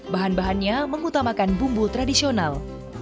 bahan bahannya mengutamakan bumbu tradisional